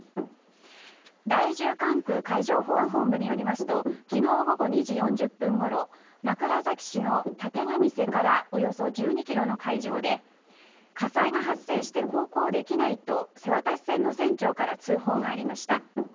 第１０管区海上保安本部によりますと昨日午後２時４０分ごろ枕崎市の立神瀬からおよそ１２ｋｍの海上で火災が発生して航行できないと瀬渡し船の船長から通報がありました。